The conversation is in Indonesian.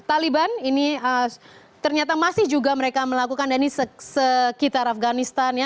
taliban ini ternyata masih juga mereka melakukan dan ini sekitar afganistan ya